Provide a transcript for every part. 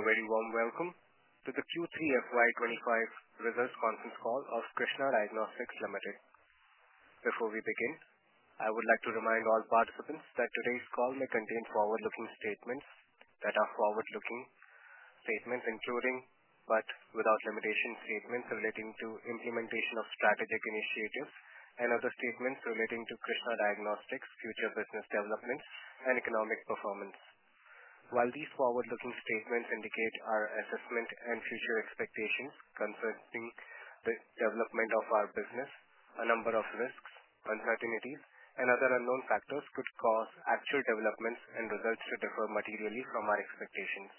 A very warm welcome to the Q3 FY 2025 results conference call of Krsnaa Diagnostics Limited. Before we begin, I would like to remind all participants that today's call may contain forward-looking statements that are forward-looking statements, including but without limitations statements relating to implementation of strategic initiatives and other statements relating to Krsnaa Diagnostics' future business developments and economic performance. While these forward-looking statements indicate our assessment and future expectations concerning the development of our business, a number of risks, uncertainties, and other unknown factors could cause actual developments and results to differ materially from our expectations.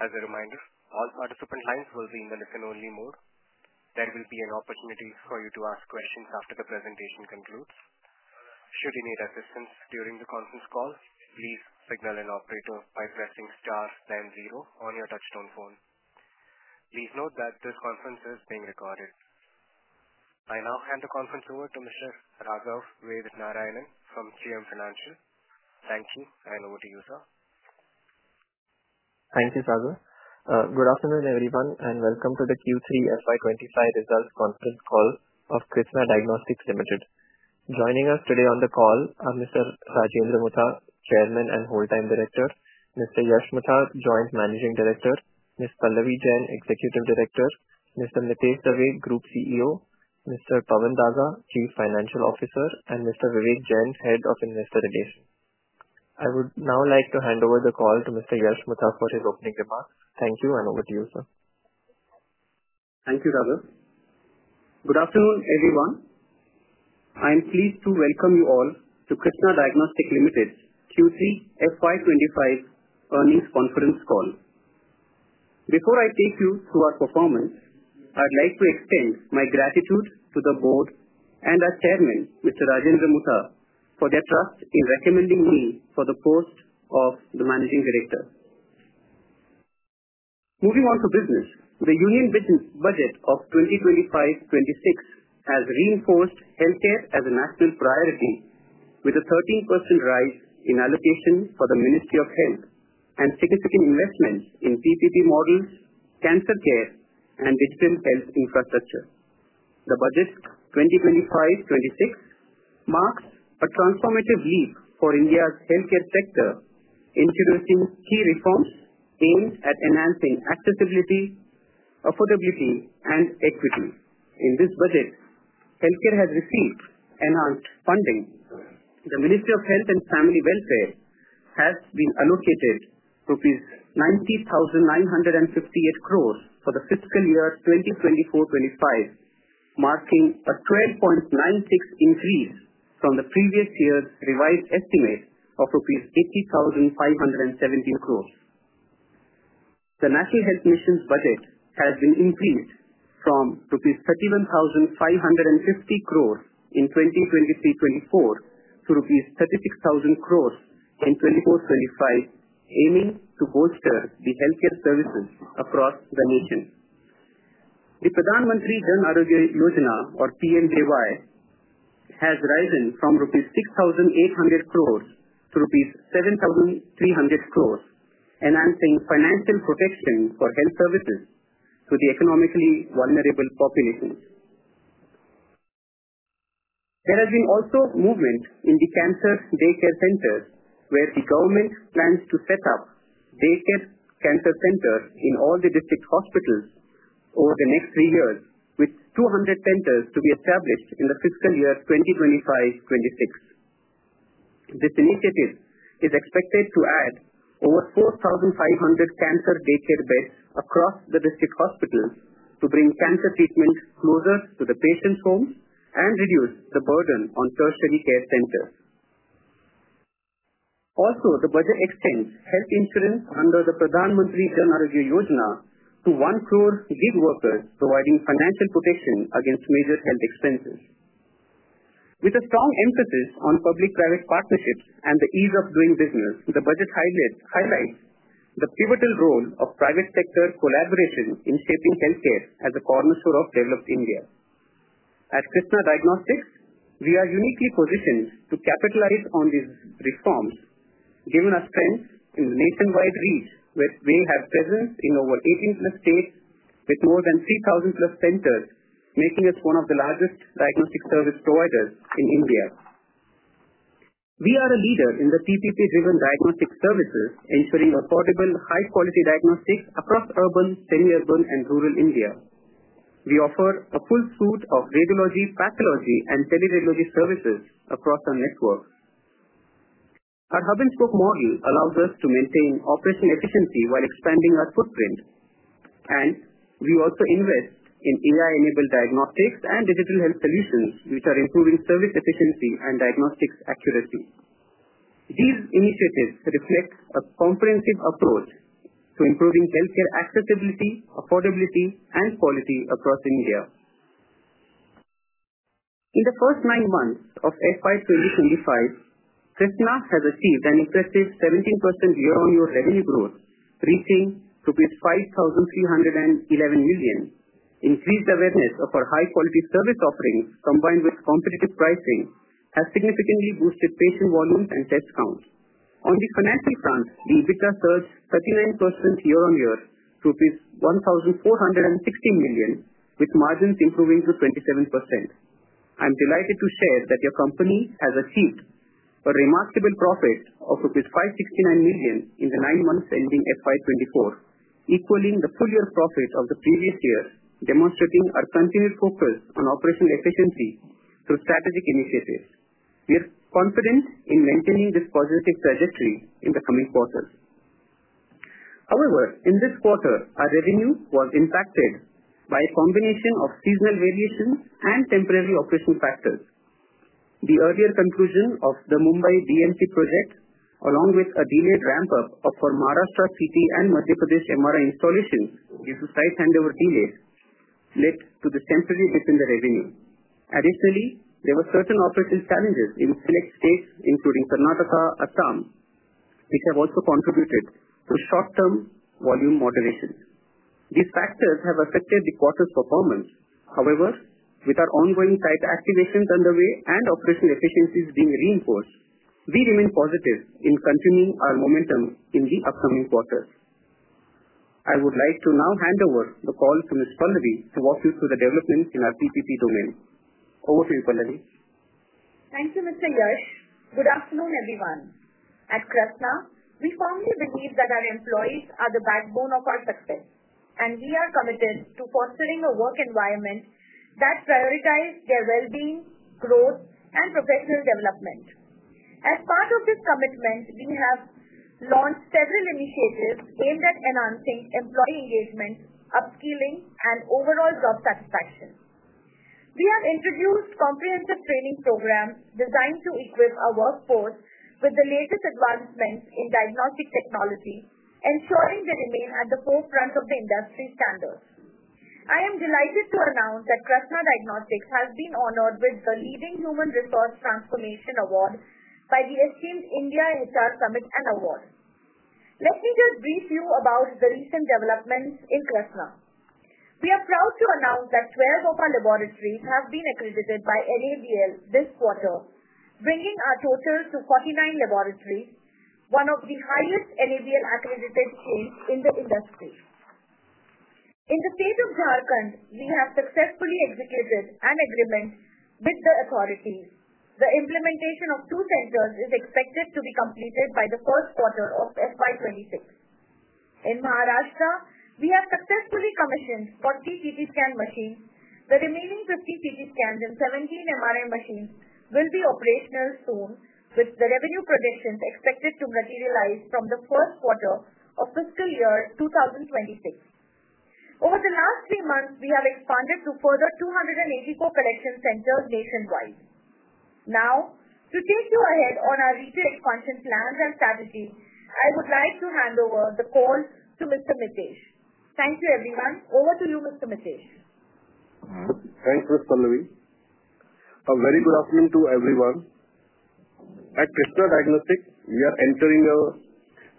As a reminder, all participant lines will be in the listen-only mode. There will be an opportunity for you to ask questions after the presentation concludes. Should you need assistance during the conference call, please signal an operator by pressing star then zero on your touch-tone phone. Please note that this conference is being recorded. I now hand the conference over to Mr. Raghav Vedanaryanan from JM Financial. Thank you, and over to you, sir. Thank you, Sagar. Good afternoon, everyone, and welcome to the Q3 FY 2025 results conference call of Krsnaa Diagnostics Limited. Joining us today on the call are Mr. Rajendra Mutha, Chairman and Whole Time Director, Mr. Yash Mutha, Joint Managing Director, Ms. Pallavi Jain, Executive Director, Mr. Mitesh Dave, Group CEO, Mr. Pawan Daga, Chief Financial Officer, and Mr. Vivek Jain, Head of Investor Relations. I would now like to hand over the call to Mr. Yash Mutha for his opening remarks. Thank you, and over to you, sir. Thank you, Raghav. Good afternoon, everyone. I am pleased to welcome you all to Krsnaa Diagnostics Limited's Q3 FY 2025 earnings conference call. Before I take you through our performance, I'd like to extend my gratitude to the board and our Chairman, Mr. Rajendra Mutha, for their trust in recommending me for the post of the Managing Director. Moving on to business, the union budget of 2025-2026 has reinforced healthcare as a national priority with a 13% rise in allocation for the Ministry of Health and significant investments in PPP models, cancer care, and digital health infrastructure. The budget 2025-2026 marks a transformative leap for India's healthcare sector, introducing key reforms aimed at enhancing accessibility, affordability, and equity. In this budget, healthcare has received enhanced funding. The Ministry of Health and Family Welfare has been allocated 90,958 crores for the fiscal year 2024-2025, marking a 12.96% increase from the previous year's revised estimate of rupees 80,517 crores. The National Health Mission's budget has been increased from rupees 31,550 crores in 2023-2024 to rupees 36,000 crores in 2024-2025, aiming to bolster the healthcare services across the nation. The Pradhan Mantri Jan Arogya Yojana, or PMJY, has risen from rupees 6,800 crores to rupees 7,300 crores, enhancing financial protection for health services to the economically vulnerable populations. There has been also movement in the cancer daycare centers, where the government plans to set up daycare cancer centers in all the district hospitals over the next three years, with 200 centers to be established in the fiscal year 2025-2026. This initiative is expected to add over 4,500 cancer daycare beds across the district hospitals to bring cancer treatment closer to the patients' homes and reduce the burden on tertiary care centers. Also, the budget extends health insurance under the Pradhan Mantri Jan Arogya Yojana to one crore gig workers, providing financial protection against major health expenses. With a strong emphasis on public-private partnerships and the ease of doing business, the budget highlights the pivotal role of private sector collaboration in shaping healthcare as a cornerstone of developed India. At Krsnaa Diagnostics, we are uniquely positioned to capitalize on these reforms, given our strength in the nationwide reach, where we have presence in over 18 plus states with more than 3,000 plus centers, making us one of the largest diagnostic service providers in India. We are a leader in the PPP-driven diagnostic services, ensuring affordable, high-quality diagnostics across urban, semi-urban, and rural India. We offer a full suite of radiology, pathology, and teleradiology services across our network. Our hub-and-spoke model allows us to maintain operational efficiency while expanding our footprint, and we also invest in AI-enabled diagnostics and digital health solutions, which are improving service efficiency and diagnostics accuracy. These initiatives reflect a comprehensive approach to improving healthcare accessibility, affordability, and quality across India. In the first nine months of FY 2025, Krsnaa has achieved an impressive 17% year-on-year revenue growth, reaching 5,311 million. Increased awareness of our high-quality service offerings, combined with competitive pricing, has significantly boosted patient volumes and test counts. On the financial front, the EBITDA surged 39% year-on-year to rupees 1,416 million, with margins improving to 27%. I'm delighted to share that your company has achieved a remarkable profit of 569 million in the nine months ending FY 2024, equaling the full-year profit of the previous year, demonstrating our continued focus on operational efficiency through strategic initiatives. We are confident in maintaining this positive trajectory in the coming quarters. However, in this quarter, our revenue was impacted by a combination of seasonal variations and temporary operational factors. The earlier conclusion of the Mumbai BMC project, along with a delayed ramp-up of our Maharashtra CT and Madhya Pradesh MRI installations due to site handover delays, led to the temporary dip in the revenue. Additionally, there were certain operational challenges in select states, including Karnataka and Assam, which have also contributed to short-term volume moderation. These factors have affected the quarter's performance. However, with our ongoing site activations underway and operational efficiencies being reinforced, we remain positive in continuing our momentum in the upcoming quarters. I would like to now hand over the call to Ms. Pallavi to walk you through the developments in our PPP domain. Over to you, Pallavi. Thank you, Mr. Yash. Good afternoon, everyone. At Krsnaa, we firmly believe that our employees are the backbone of our success, and we are committed to fostering a work environment that prioritizes their well-being, growth, and professional development. As part of this commitment, we have launched several initiatives aimed at enhancing employee engagement, upskilling, and overall job satisfaction. We have introduced comprehensive training programs designed to equip our workforce with the latest advancements in diagnostic technology, ensuring they remain at the forefront of the industry standards. I am delighted to announce that Krsnaa Diagnostics has been honored with the Leading Human Resource Transformation Award by the esteemed India HR Summit and Award. Let me just brief you about the recent developments in Krsnaa. We are proud to announce that 12 of our laboratories have been accredited by NABL this quarter, bringing our total to 49 laboratories, one of the highest NABL-accredited chains in the industry. In the state of Jharkhand, we have successfully executed an agreement with the authorities. The implementation of two centers is expected to be completed by the first quarter of FY 2026. In Maharashtra, we have successfully commissioned 40 CT scan machines. The remaining 50 CT scans and 17 MRI machines will be operational soon, with the revenue projections expected to materialize from the first quarter of fiscal year 2026. Over the last three months, we have expanded to further 284 collection centers nationwide. Now, to take you ahead on our regional expansion plans and strategy, I would like to hand over the call to Mr. Mitesh. Thank you, everyone. Over to you, Mr. Mitesh. Thanks, Ms. Pallavi. A very good afternoon to everyone. At Krsnaa Diagnostics, we are entering a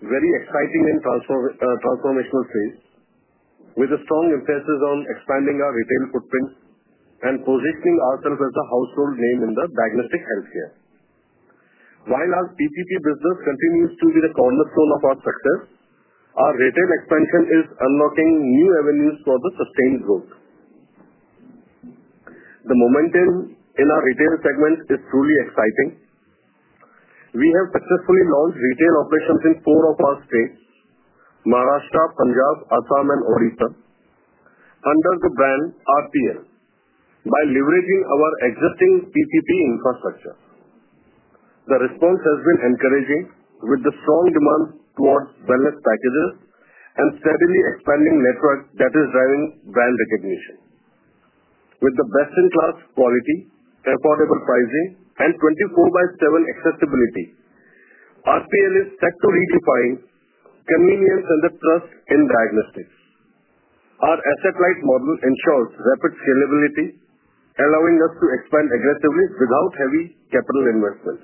very exciting and transformational phase with a strong emphasis on expanding our retail footprint and positioning ourselves as a household name in diagnostic healthcare. While our PPP business continues to be the cornerstone of our success, our retail expansion is unlocking new avenues for sustained growth. The momentum in our retail segment is truly exciting. We have successfully launched retail operations in four of our states: Maharashtra, Punjab, Assam, and Odisha, under the brand RPL, by leveraging our existing PPP infrastructure. The response has been encouraging, with strong demand towards wellness packages and a steadily expanding network that is driving brand recognition. With best-in-class quality, affordable pricing, and 24/7 accessibility, RPL is set to redefine convenience and trust in diagnostics. Our asset-light model ensures rapid scalability, allowing us to expand aggressively without heavy capital investments.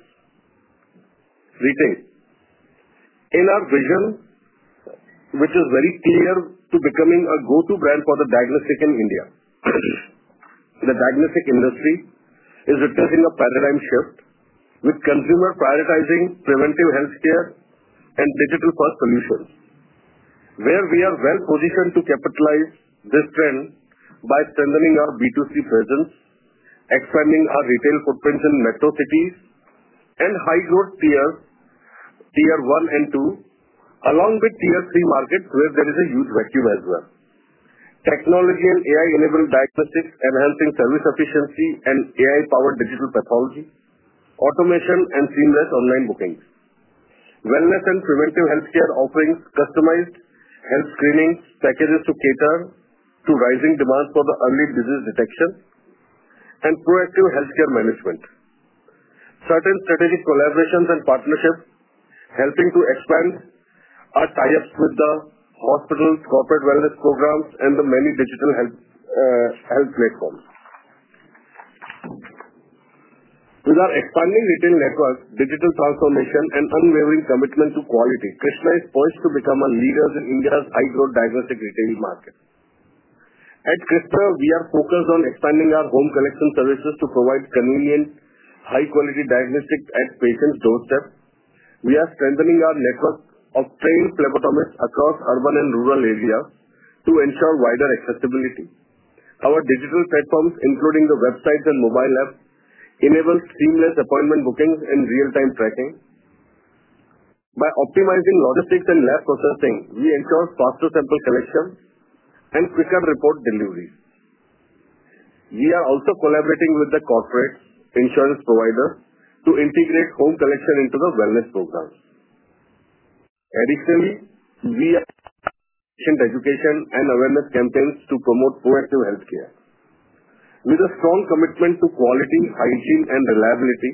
Retail. In our vision, which is very clear to becoming a go-to brand for the diagnostic in India, the diagnostic industry is witnessing a paradigm shift, with consumers prioritizing preventive healthcare and digital-first solutions, where we are well-positioned to capitalize this trend by strengthening our B2C presence, expanding our retail footprints in metro cities and high-growth tiers, tier one and two, along with tier three markets, where there is a huge vacuum as well. Technology and AI-enabled diagnostics, enhancing service efficiency and AI-powered digital pathology, automation, and seamless online bookings. Wellness and preventive healthcare offerings, customized health screening packages to cater to rising demands for the early disease detection and proactive healthcare management. Certain strategic collaborations and partnerships helping to expand our tie-ups with the hospitals, corporate wellness programs, and the many digital health platforms. With our expanding retail network, digital transformation, and unwavering commitment to quality, Krsnaa is poised to become a leader in India's high-growth diagnostic retail market. At Krsnaa, we are focused on expanding our home collection services to provide convenient, high-quality diagnostics at patients' doorstep. We are strengthening our network of trained phlebotomists across urban and rural areas to ensure wider accessibility. Our digital platforms, including the websites and mobile apps, enable seamless appointment bookings and real-time tracking. By optimizing logistics and lab processing, we ensure faster sample collection and quicker report deliveries. We are also collaborating with the corporate insurance providers to integrate home collection into the wellness programs. Additionally, we are launching patient education and awareness campaigns to promote proactive healthcare. With a strong commitment to quality, hygiene, and reliability,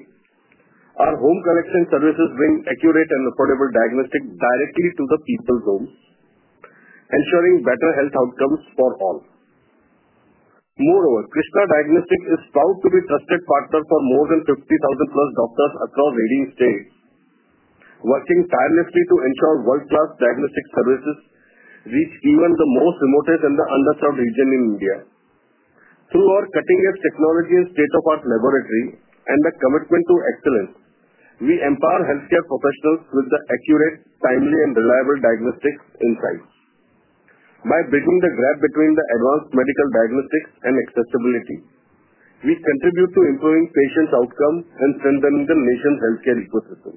our home collection services bring accurate and affordable diagnostics directly to the people's homes, ensuring better health outcomes for all. Moreover, Krsnaa Diagnostics is proud to be a trusted partner for more than 50,000 plus doctors across 18 states, working tirelessly to ensure world-class diagnostic services reach even the most remote and the underserved region in India. Through our cutting-edge technology and state-of-the-art laboratory and the commitment to excellence, we empower healthcare professionals with the accurate, timely, and reliable diagnostics insights. By bridging the gap between advanced medical diagnostics and accessibility, we contribute to improving patients' outcomes and strengthening the nation's healthcare ecosystem.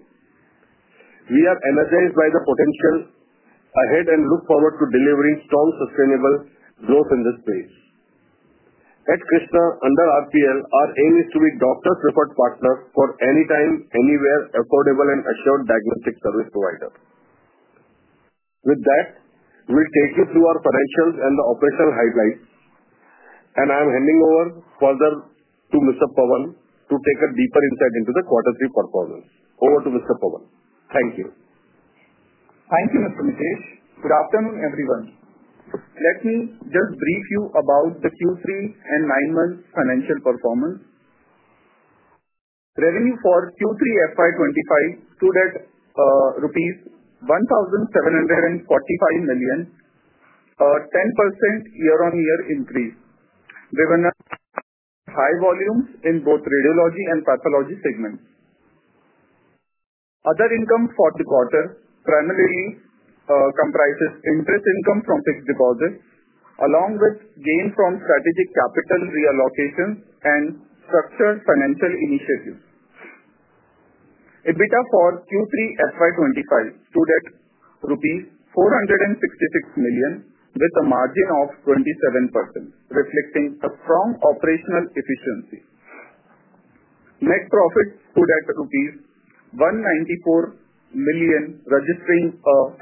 We are energized by the potential ahead and look forward to delivering strong, sustainable growth in this space. At Krsnaa, under RPL, our aim is to be a doctor's preferred partner for anytime, anywhere, affordable, and assured diagnostic service provider. With that, we'll take you through our financials and the operational highlights, and I'm handing over further to Mr. Pawan to take a deeper insight into the quarter three performance. Over to Mr. Pawan. Thank you. Thank you, Mr. Mitesh. Good afternoon, everyone. Let me just brief you about the Q3 and nine-month financial performance. Revenue for Q3 FY 2025 stood at INR 1,745 million, a 10% year-on-year increase. We have enough high volumes in both radiology and pathology segments. Other income for the quarter primarily comprises interest income from fixed deposits, along with gains from strategic capital reallocations and structured financial initiatives. EBITDA for Q3 FY 2025 stood at rupees 466 million, with a margin of 27%, reflecting a strong operational efficiency. Net profit stood at rupees 194 million, registering a 50%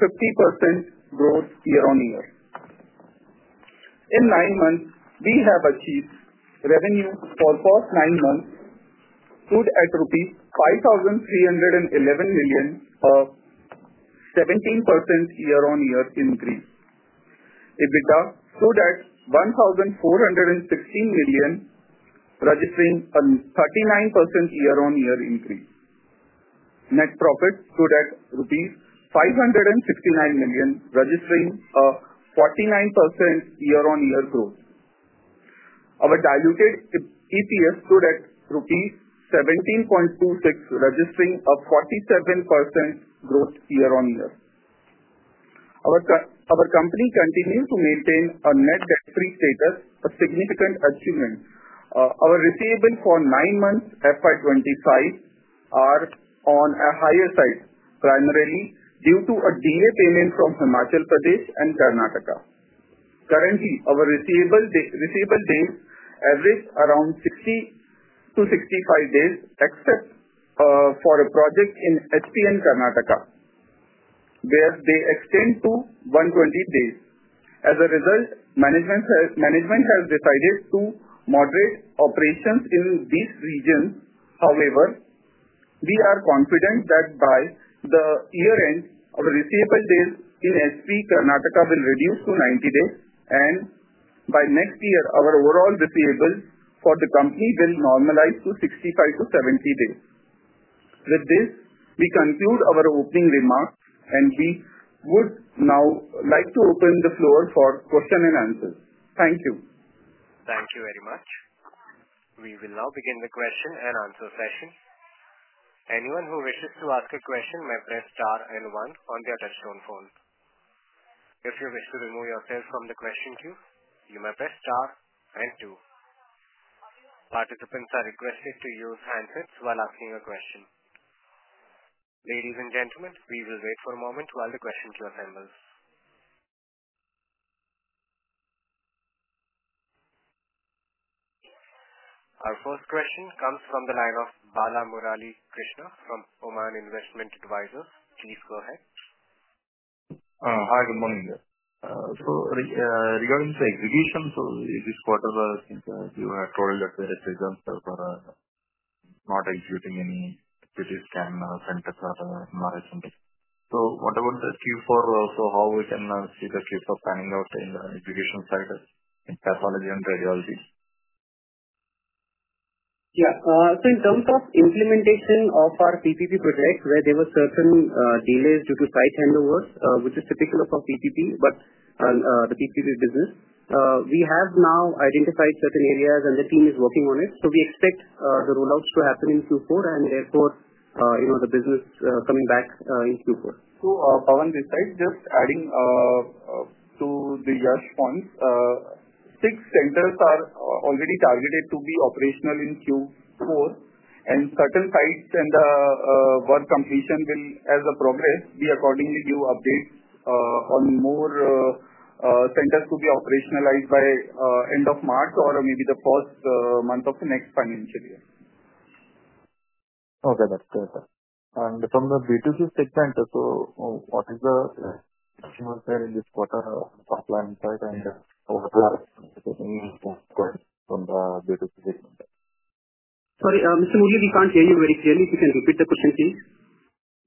growth year-on-year. In nine months, we have achieved revenue for the first nine months stood at rupees 5,311 million, a 17% year-on-year increase. EBITDA stood at 1,416 million, registering a 39% year-on-year increase. Net profit stood at rupees 569 million, registering a 49% year-on-year growth. Our diluted EPS stood at rupees 17.26, registering a 47% growth year-on-year. Our company continues to maintain a net debt-free status, a significant achievement. Our receivables for nine months FY 2025 are on a higher side, primarily due to a delayed payment from Himachal Pradesh and Karnataka. Currently, our receivables days average around 60 days-65 days, except for a project in Himachal Pradesh, Karnataka, where they extend to 120 days. As a result, management has decided to moderate operations in these regions. However, we are confident that by the year-end, our receivables days in Himachal Pradesh, Karnataka, will reduce to 90 days, and by next year, our overall receivables for the company will normalize to 65 days-70 days. With this, we conclude our opening remarks, and we would now like to open the floor for questions and answers. Thank you. Thank you very much. We will now begin the question and answer session. Anyone who wishes to ask a question may press star and one on the touch-tone phone. If you wish to remove yourself from the question queue, you may press star and two. Participants are requested to use handsets while asking a question. Ladies and gentlemen, we will wait for a moment while the question queue assembles. Our first question comes from the line of Bala Murali Krishna from Oman Investment Advisors. Please go ahead. Hi, good morning. Regarding the execution, this quarter, I think you have told that the residents are not executing any CT scan centers at Maharashtra. What about the Q4? How can we see the Q4 panning out in the execution side in pathology and radiology? Yeah. In terms of implementation of our PPP project, where there were certain delays due to site handovers, which is typical of our PPP, but the PPP business, we have now identified certain areas, and the team is working on it. We expect the rollouts to happen in Q4, and therefore, the business is coming back in Q4. Pawan this side, just adding to the Yash Mutha, six centers are already targeted to be operational in Q4, and certain sites and the work completion will, as a progress, be accordingly due updates on more centers to be operationalized by end of March or maybe the first month of the next financial year. Okay, that's clear. From the B2C segment, what is the achievement there in this quarter for planning side and overall the B2C segment? Sorry, Mr. Murali, we can't hear you very clearly. If you can repeat the question, please.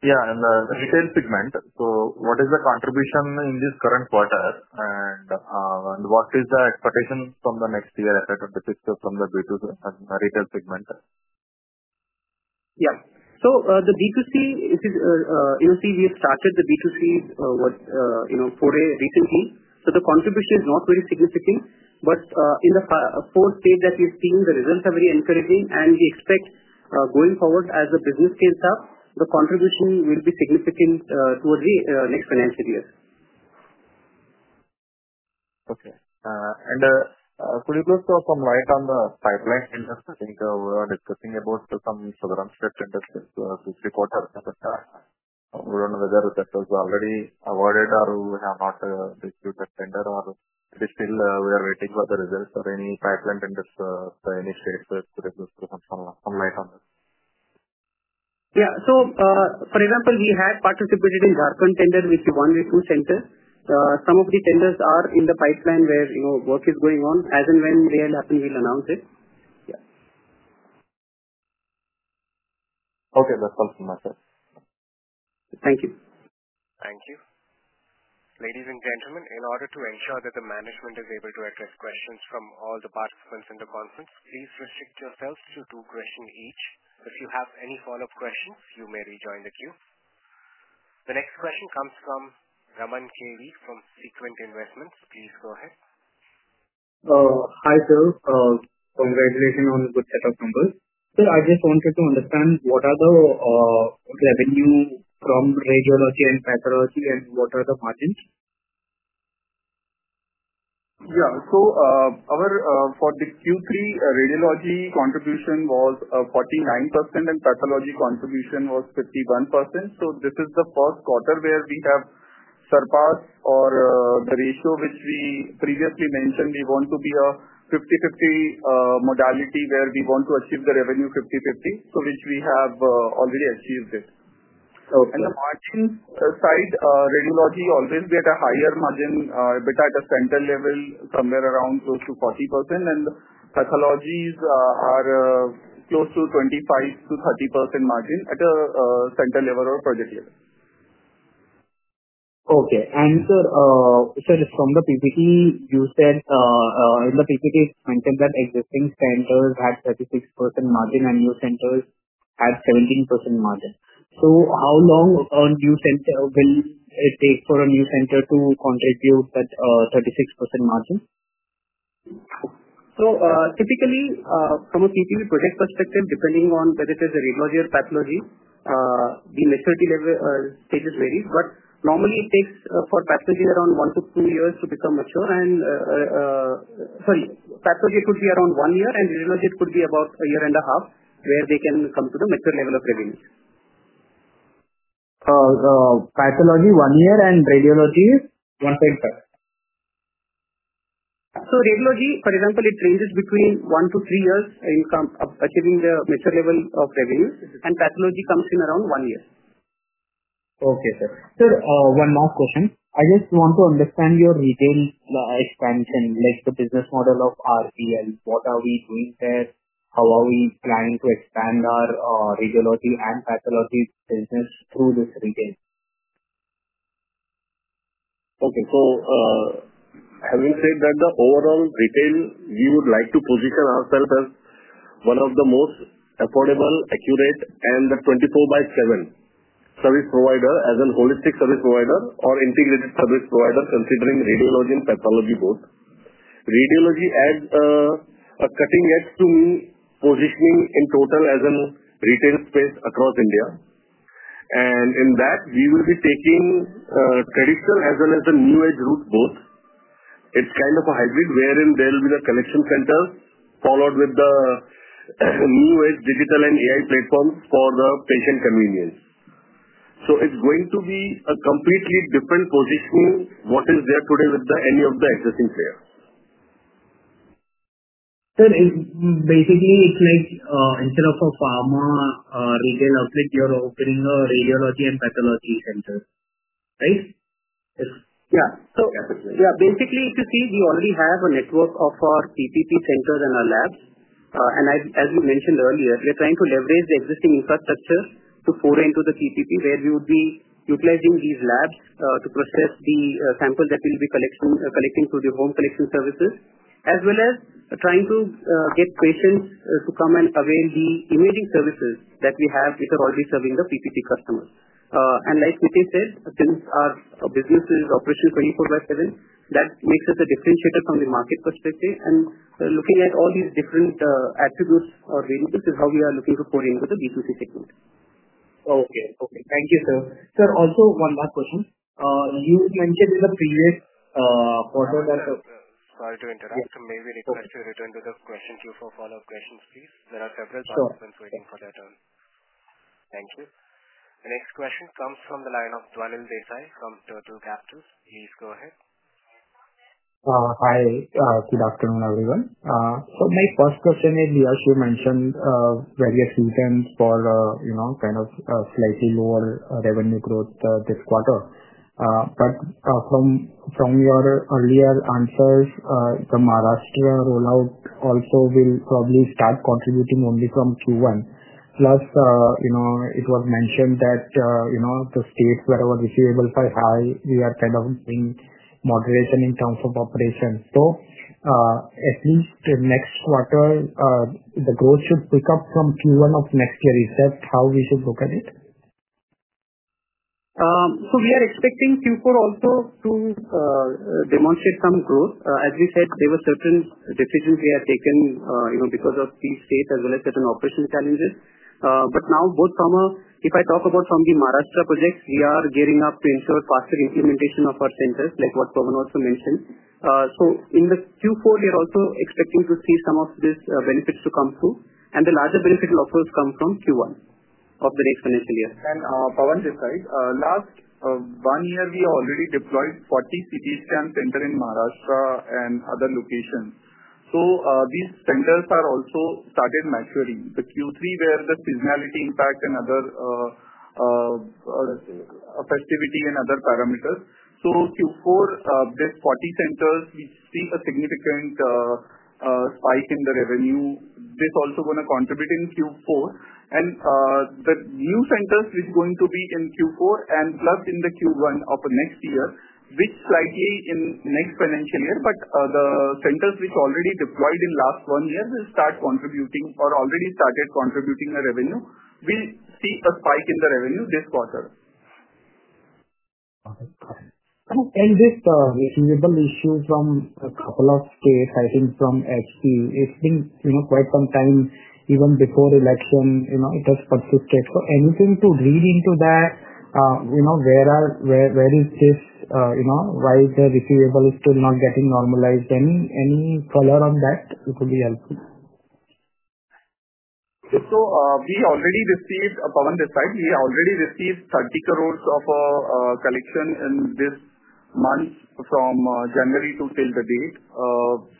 Yeah. In the retail segment, what is the contribution in this current quarter, and what is the expectation from the next year, FY 2026, from the B2C and retail segment? Yeah. The B2C, you see, we have started the B2C foray recently. The contribution is not very significant, but in the fourth phase that we've seen, the results are very encouraging, and we expect going forward, as the business scales up, the contribution will be significant towards the next financial year. Okay. Could you please throw light on the pipeline tender? I think we were discussing about some shorter-term tenders this quarter. We do not know whether that was already awarded or we have not received that tender, or it is still we are waiting for the results, or any pipeline tenders to initiate the results, if you could throw some light on this. Yeah. For example, we have participated in the Jharkhand tender, which won with two centers. Some of the tenders are in the pipeline where work is going on. As and when they happen, we'll announce it. Yeah. Okay. That's all from my side. Thank you. Thank you. Ladies and gentlemen, in order to ensure that the management is able to address questions from all the participants in the conference, please restrict yourselves to two questions each. If you have any follow-up questions, you may rejoin the queue. The next question comes from Raman [Kerti] from Sequent Investments. Please go ahead. Hi, sir. Congratulations on the good set of numbers. I just wanted to understand what are the revenue from radiology and pathology, and what are the margins? Yeah. For the Q3, radiology contribution was 49%, and pathology contribution was 51%. This is the first quarter where we have surpassed the ratio which we previously mentioned. We want to be a 50-50 modality where we want to achieve the revenue 50-50, which we have already achieved. On the margin side, radiology always had a higher margin, a bit at a center level, somewhere around close to 40%, and pathology is close to 25%-30% margin at a center level or project level. Okay. Sir, from the PPP, you said in the PPP, it's mentioned that existing centers had 36% margin and new centers had 17% margin. How long will it take for a new center to contribute that 36% margin? Typically, from a PPP project perspective, depending on whether it is radiology or pathology, the maturity stages vary. Normally, it takes for pathology around one to two years to become mature, and sorry, pathology it could be around one year, and radiology it could be about a year and a half where they can come to the mature level of revenue. Pathology one year and radiology 1.5? Radiology, for example, it ranges between one to three years in achieving the mature level of revenue, and pathology comes in around one year. Okay, sir. Sir, one last question. I just want to understand your retail expansion, like the business model of RPL. What are we doing there? How are we planning to expand our radiology and pathology business through this retail? Okay. Having said that, the overall retail, we would like to position ourselves as one of the most affordable, accurate, and 24/7 service providers as a holistic service provider or integrated service provider, considering radiology and pathology both. Radiology adds a cutting edge to positioning in total as a retail space across India. In that, we will be taking traditional as well as the new age route both. It is kind of a hybrid wherein there will be the collection centers followed with the new age digital and AI platforms for the patient convenience. It is going to be a completely different positioning from what is there today with any of the existing players. Sir, basically, it's like instead of a pharma retail outlet, you're opening a radiology and pathology center, right? Yeah. Basically, if you see, we already have a network of our PPP centers and our labs. As we mentioned earlier, we're trying to leverage the existing infrastructure to pour into the PPP where we would be utilizing these labs to process the samples that we'll be collecting through the home collection services, as well as trying to get patients to come and avail the imaging services that we have, which are already serving the PPP customers. Like Mitesh said, since our business is operating 24/7, that makes us a differentiator from the market perspective. Looking at all these different attributes or variables is how we are looking to pour into the B2C segment. Okay. Okay. Thank you, sir. Sir, also one last question. You mentioned in the previous quarter that. Sorry to interrupt. May we request to return to the question queue for follow-up questions, please? There are several participants waiting for their turn. Thank you. The next question comes from the line of Dhwanil Desai from [Turtle] Capitals. Please go ahead. Hi. Good afternoon, everyone. My first question is, Yash, you mentioned, various reasons for kind of slightly lower revenue growth this quarter. From your earlier answers, the Maharashtra rollout also will probably start contributing only from Q1. Plus, it was mentioned that the states, wherever receivables are high, we are kind of doing moderation in terms of operations. At least next quarter, the growth should pick up from Q1 of next year. Is that how we should look at it? We are expecting Q4 also to demonstrate some growth. As we said, there were certain decisions we had taken because of these states as well as certain operational challenges. Now, both from a, if I talk about from the Maharashtra projects, we are gearing up to ensure faster implementation of our centers, like what Pawan also mentioned. In Q4, we are also expecting to see some of these benefits to come through. The larger benefit will of course come from Q1 of the next financial year. Pawan this side. Last one year, we already deployed 40 CT scan centers in Maharashtra and other locations. These centers are also started maturing. The Q3, where the seasonality impact and other festivity and other parameters. Q4, these 40 centers, we see a significant spike in the revenue. This is also going to contribute in Q4. The new centers which are going to be in Q4 and plus in the Q1 of next year, which slightly in next financial year, but the centers which already deployed in last one year will start contributing or already started contributing the revenue. We see a spike in the revenue this quarter. This receivable issue from a couple of states, I think from HP, it's been quite some time, even before the election, it has persisted. Anything to read into that? Where is this? Why is the receivable still not getting normalized? Any color on that? It would be helpful. We already received, Pawan Daga, we already received INR 30 crores of collection in this month from January to till the date.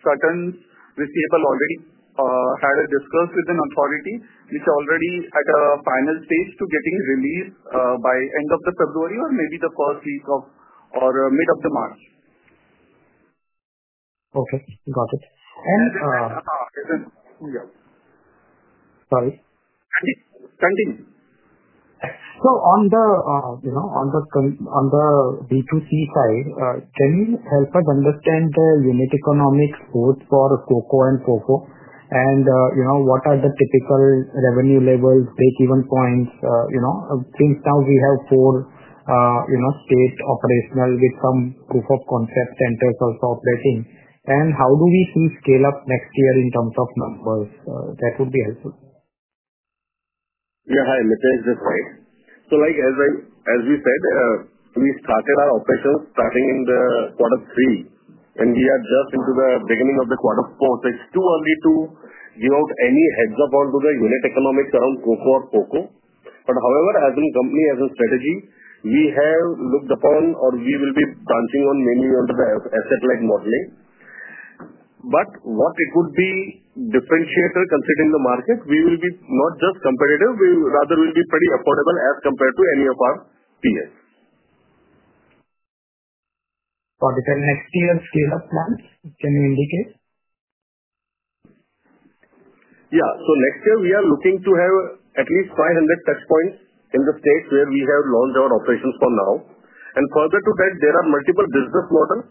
Certain receivable already had a discourse with an authority, which already had a final stage to getting released by end of February or maybe the first week of or mid of March. Okay. Got it. And yeah. Sorry? Continue. On the B2C side, can you help us understand the unit economics both for COCO and FOFO? What are the typical revenue levels, break-even points? Since now we have four states operational with some proof of concept centers also operating, how do we see scale-up next year in terms of numbers? That would be helpful. Yeah. Hi, Mitesh this side. As we said, we started our operations starting in the quarter three, and we are just into the beginning of the quarter four. It is too early to give out any heads-up onto the unit economics around COCO or FOFO. However, as a company, as a strategy, we have looked upon or we will be branching on mainly onto the asset-light modeling. What would be a differentiator considering the market, we will be not just competitive, rather we will be pretty affordable as compared to any of our peers. For the next year's scale-up plans, can you indicate? Yeah. Next year, we are looking to have at least 500 touch points in the states where we have launched our operations for now. Further to that, there are multiple business models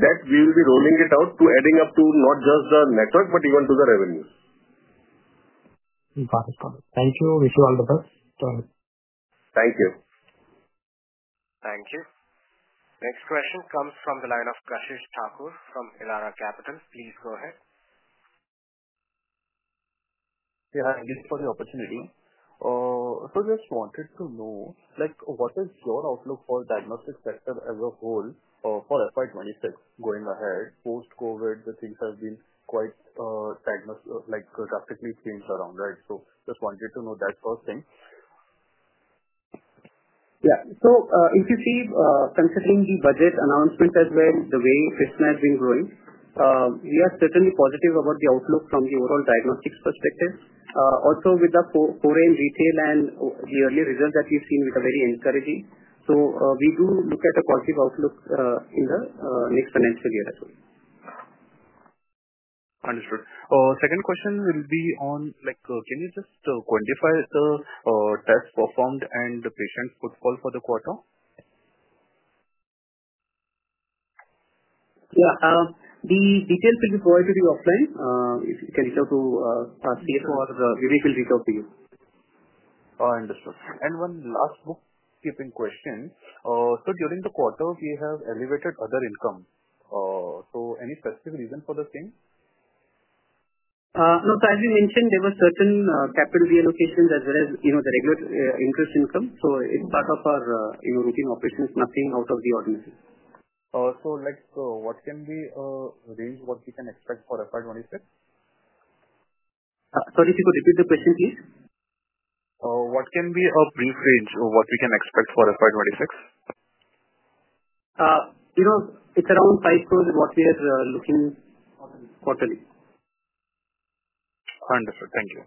that we will be rolling out to adding up to not just the network, but even to the revenue. Got it. Got it. Thank you. Wish you all the best. Thank you. Thank you. Next question comes from the line of Kashish Thakur from Elara Capital. Please go ahead. Yeah. Thank you for the opportunity. Just wanted to know, what is your outlook for diagnostic sector as a whole for FY 2026 going ahead? Post-COVID, the things have been quite drastically changed around, right? Just wanted to know that first thing. Yeah. If you see, considering the budget announcements as well, the way Krsnaa has been growing, we are certainly positive about the outlook from the overall diagnostics perspective. Also with the foray in retail and the early results that we've seen, which are very encouraging. We do look at a positive outlook in the next financial year as well. Understood. Second question will be on, can you just quantify the tests performed and the patient's footfall for the quarter? Yeah. The details will be provided to you offline. If you can reach out to us, we will reach out to you. Understood. One last bookkeeping question. During the quarter, we have elevated other income. Any specific reason for the same? No. As we mentioned, there were certain capital reallocations as well as the regular increased income. It is part of our routine operations. Nothing out of the ordinary. What can be a range what we can expect for FY 2026? Sorry, if you could repeat the question, please. What can be a brief range of what we can expect for FY 2026? It's around 5 crores is what we are looking quarterly. Understood. Thank you.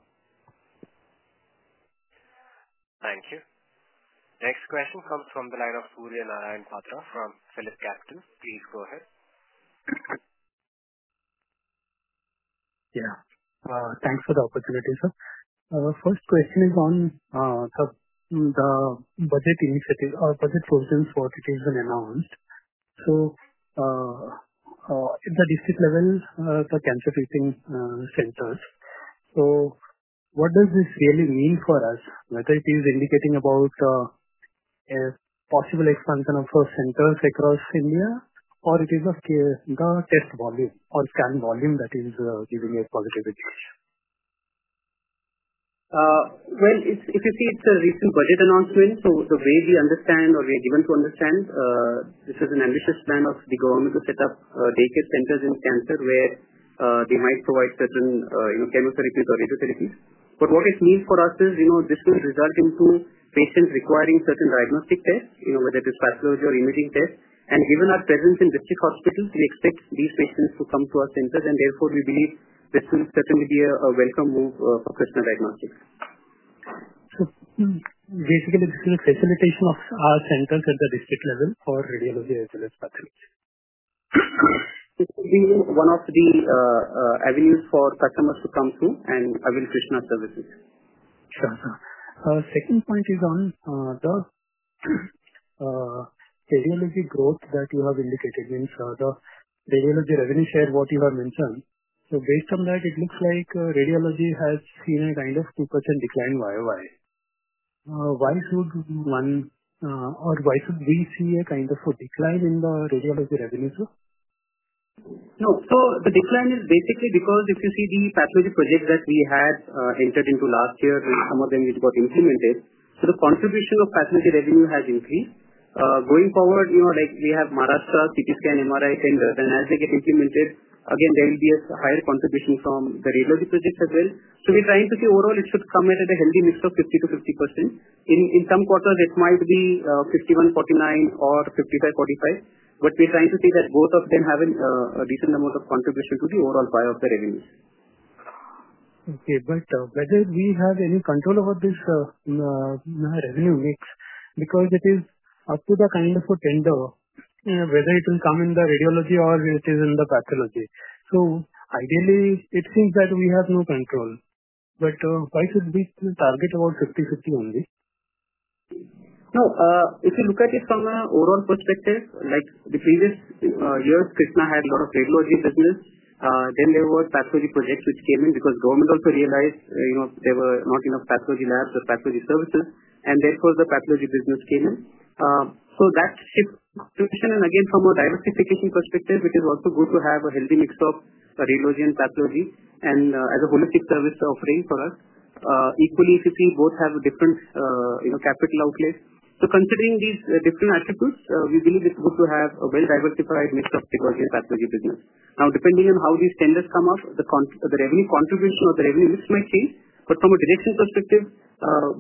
Thank you. Next question comes from the line of Sur Narayan Patra from PhillipCapital. Please go ahead. Yeah. Thanks for the opportunity, sir. First question is on the budget initiative or budget provisions for it has been announced. At the district level, the cancer treating centers. What does this really mean for us, whether it is indicating about a possible expansion of centers across India or it is of the test volume or scan volume that is giving a positive indication? If you see, it's a recent budget announcement. The way we understand or we are given to understand, this is an ambitious plan of the government to set up daycare centers in cancer where they might provide certain chemotherapies or radiotherapies. What it means for us is this will result in patients requiring certain diagnostic tests, whether it is pathology or imaging tests. Given our presence in district hospitals, we expect these patients to come to our centers. Therefore, we believe this will certainly be a welcome move for Krsnaa Diagnostics. Basically, this is a facilitation of our centers at the district level for radiology as well as pathology. It will be one of the avenues for customers to come through and avail Krsnaa services. Sure. Second point is on the radiology growth that you have indicated. Means the radiology revenue share what you have mentioned. Based on that, it looks like radiology has seen a kind of 2% decline YoY. Why should one or why should we see a kind of a decline in the radiology revenue, sir? No. The decline is basically because if you see the pathology projects that we had entered into last year, some of them which got implemented, the contribution of pathology revenue has increased. Going forward, we have Maharashtra CT scan, MRI centers. As they get implemented, again, there will be a higher contribution from the radiology projects as well. We are trying to see overall, it should come at a healthy mix of 50%-50%. In some quarters, it might be 51%-49% or 55%-45%. We are trying to see that both of them have a decent amount of contribution to the overall pie of the revenues. Okay. Whether we have any control over this revenue mix because it is up to the kind of a tender whether it will come in the radiology or it is in the pathology. Ideally, it seems that we have no control. Why should we target about 50/50 only? No. If you look at it from an overall perspective, like the previous years, Krsnaa had a lot of radiology business. Then there were pathology projects which came in because government also realized there were not enough pathology labs or pathology services. Therefore, the pathology business came in. That shifted position. From a diversification perspective, it is also good to have a healthy mix of radiology and pathology as a holistic service offering for us. Equally, if you see, both have different capital outlays. Considering these different attributes, we believe it is good to have a well-diversified mix of radiology and pathology business. Now, depending on how these tenders come up, the revenue contribution or the revenue mix might change. From a direction perspective,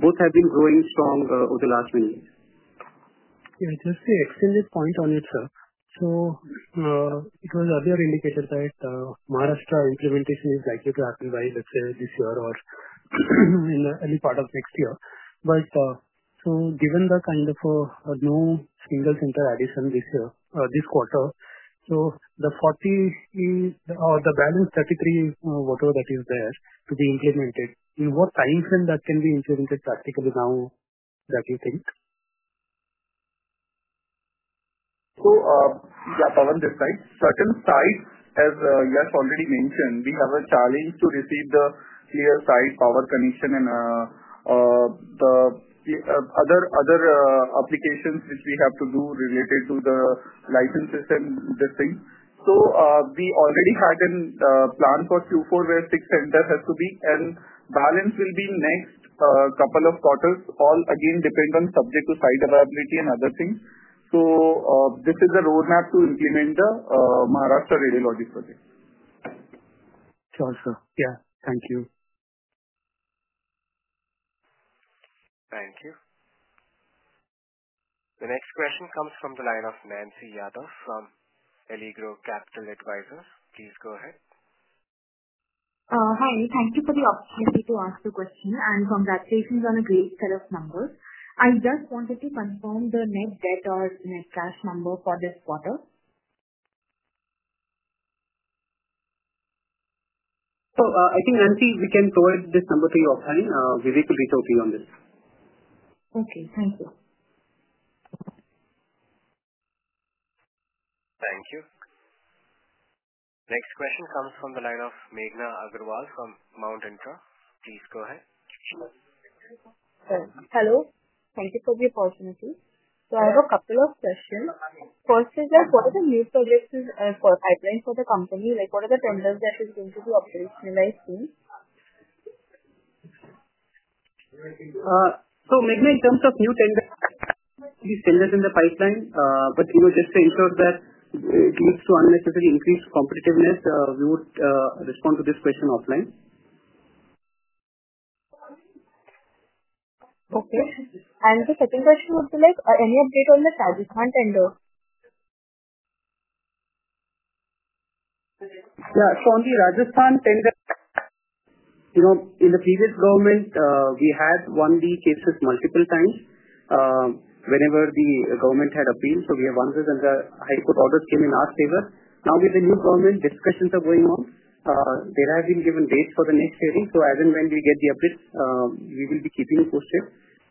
both have been growing strong over the last many years. Yeah. Just to extend this point on it, sir. It was earlier indicated that Maharashtra implementation is likely to happen by, let's say, this year or in the early part of next year. Given the kind of a new single center addition this year, this quarter, the 40 or the balance 33, whatever that is there to be implemented, in what time frame can that be implemented practically now that you think? Yeah, Pawan this side. Certain sites, as Yash already mentioned, we have a challenge to receive the clear site power connection and the other applications which we have to do related to the licenses and these things. We already had a plan for Q4 where six centers have to be. The balance will be next couple of quarters, all again depend on subject to site availability and other things. This is the roadmap to implement the Maharashtra radiology project. Sure, sir. Yeah. Thank you. Thank you. The next question comes from the line of Nancy Yadav from Allegro Capital Advisors. Please go ahead. Hi. Thank you for the opportunity to ask the question. Congratulations on a great set of numbers. I just wanted to confirm the net debt or net cash number for this quarter. I think, Nancy, we can provide this number to you offline. We will reach out to you on this. Okay. Thank you. Thank you. Next question comes from the line of Meghna Agarwal from Mount Intra. Please go ahead. Hello. Thank you for the opportunity. I have a couple of questions. First is, what are the new projects for pipeline for the company? What are the tenders that are going to be operationalized soon? Meghna, in terms of new tenders, please tell us in the pipeline. Just to ensure that it leads to unnecessary increased competitiveness, we would respond to this question offline. Okay. The second question would be, any update on the Rajasthan tender? Yeah. On the Rajasthan tender, in the previous government, we had won the cases multiple times whenever the government had appealed. We have won this and the high court orders came in our favor. Now, with the new government, discussions are going on. There have been given dates for the next hearing. As and when we get the updates, we will be keeping you posted.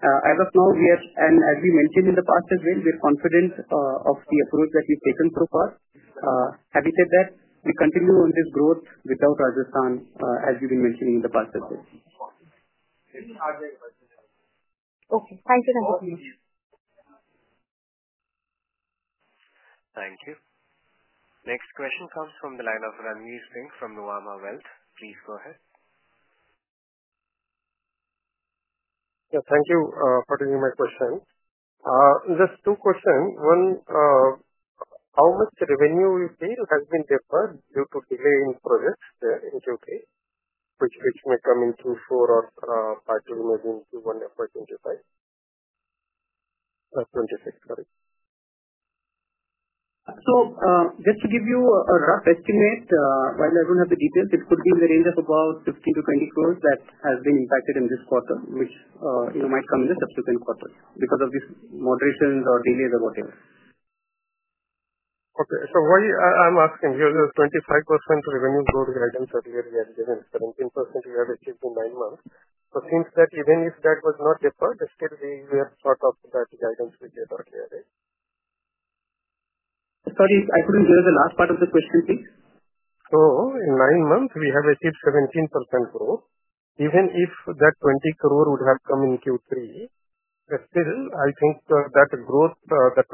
As of now, we have, and as we mentioned in the past as well, we are confident of the approach that we've taken so far. Having said that, we continue on this growth without Rajasthan, as we've been mentioning in the past as well. Okay. Thank you. Thank you. Next question comes from the line of Ranvir Singh from Nuvama Wealth. Please go ahead. Yeah. Thank you for taking my question. Just two questions. One, how much revenue we pay has been deferred due to delay in projects in Q3, which may come in Q4 or pipeline maybe in Q1 FY 2025? Oh, 2026, sorry. Just to give you a rough estimate, while I do not have the details, it could be in the range of about 15 crores-20 crores that have been impacted in this quarter, which might come in the subsequent quarters because of these moderations or delays or whatever. Okay. Why I'm asking here is 25% revenue growth guidance earlier we had given. 17% we have achieved in nine months. Seems that even if that was not deferred, still we have thought of that guidance we gave earlier, right? Sorry, I could not hear the last part of the question, please. In nine months, we have achieved 17% growth. Even if that 20 crores would have come in Q3, still I think that growth, that